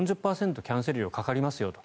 キャンセル料かかりますと。